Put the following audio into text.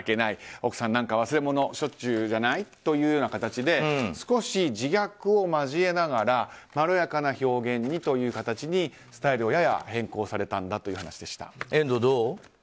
奥さん何か忘れ物しょっちゅうじゃないという感じで少し自虐を交えながらまろやかな表現にという形にスタイルをやや変更された遠藤、どう？